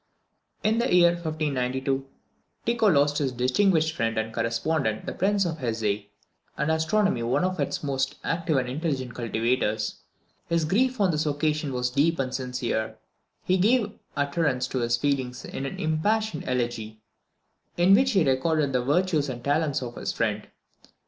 In the year 1592, Tycho lost his distinguished friend and correspondent the Prince of Hesse, and astronomy one of its most active and intelligent cultivators. His grief on this occasion was deep and sincere, and he gave utterance to his feelings in an impassioned elegy, in which he recorded the virtues and talents of his friend.